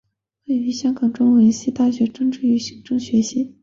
毕业于香港中文大学政治与行政学系。